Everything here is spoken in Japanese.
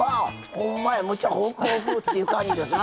ほんまやむっちゃホクホクっていう感じですな。